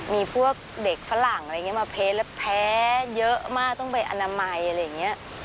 มีพวกเด็กฝรั่งอะไรอย่างนี้มาเพจแล้วแพ้เยอะมากต้องไปอนามัยอะไรอย่างนี้